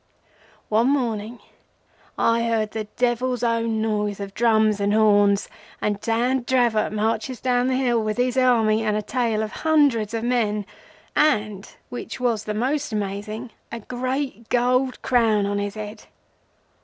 "One morning I heard the devil's own noise of drums and horns, and Dan Dravot marches down the hill with his Army and a tail of hundreds of men, and, which was the most amazing—a great gold crown on his head.